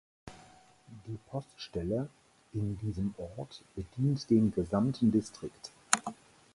Die Poststelle in diesem Ort bedient den gesamten Distrikt.